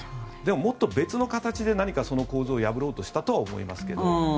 でも、もっと別の形で何かその構図を破ろうとしたとは思いますけど。